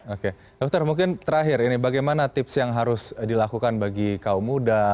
oke dokter mungkin terakhir ini bagaimana tips yang harus dilakukan bagi kaum muda